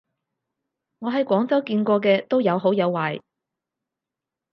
我喺廣州見過嘅都有好有壞